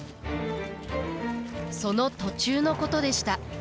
その途中のことでした。